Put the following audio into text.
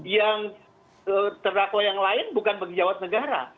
yang terdakwa yang lain bukan pejabat negara